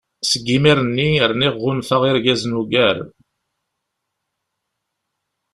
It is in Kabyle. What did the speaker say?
Seg yimir-nni rniɣ ɣunfaɣ irgazen ugar.